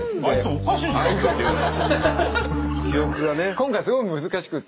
今回すごく難しくて。